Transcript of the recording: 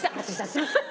すいません。